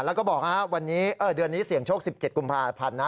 แล้วก็บอกว่าวันนี้เดือนนี้เสี่ยงโชค๑๗กุมภาพันธ์นะ